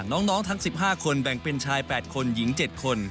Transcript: น้องทั้ง๑๕คนแบ่งเป็นชาย๘คนหญิง๗คน